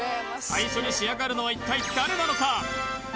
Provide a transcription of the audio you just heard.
最初に仕上がるのは一体誰なのか？